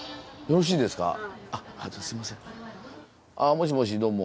もしもしどうも。